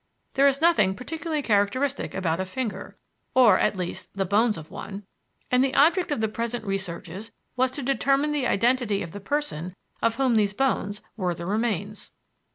There is nothing particularly characteristic about a finger, or, at least, the bones of one; and the object of the present researches was to determine the identity of the person of whom these bones were the remains.